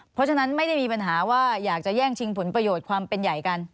เพราะฉะนั้นไม่ได้มีปัญหาว่าอยากจะแย่งชิงผลประโยชน์ความเป็นใหญ่กัน